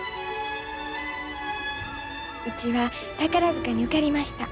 うちは宝塚に受かりました。